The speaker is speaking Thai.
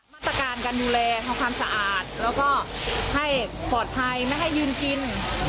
มาตรการการดูแลทำความสะอาดแล้วก็ให้ปลอดภัยไม่ให้ยืนกิน